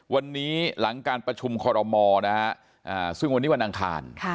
วันนี้หลังการประชุมคอรมอนะฮะซึ่งวันนี้วันอังคาร